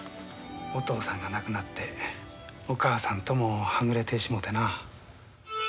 お父さんが亡くなってお母さんともはぐれてしもうてな。